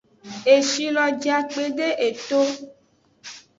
Eshi lo ja kpedo eto.